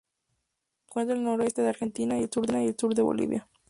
Se encuentra en el noroeste de Argentina, y sur de Bolivia.